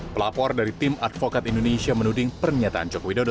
pelapor dari tim advokat indonesia menuding pernyataan jokowi dodo